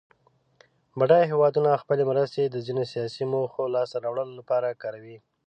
بډایه هېوادونه خپلې مرستې د ځینو سیاسي موخو د لاس ته راوړلو لپاره کاروي.